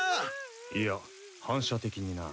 いや反射的にな。